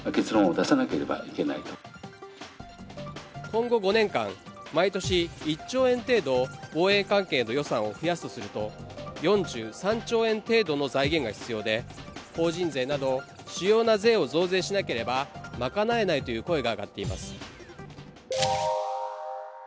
今後５年間、毎年１兆円程度防衛関係の予算を増やすとすると４３兆円程度の財源が必要で法人税など主要な税を増税しなければ賄えないという声が上がっています。